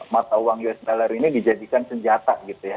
mata uang us dollar ini dijadikan senjata gitu ya